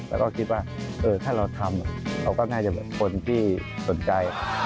แล้วก็คิดว่าถ้าเราทำเราก็น่าจะคนที่สนใจ